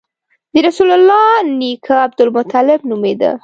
د رسول الله نیکه عبدالمطلب نومېده.